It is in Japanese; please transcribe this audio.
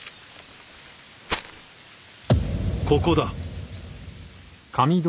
ここだ。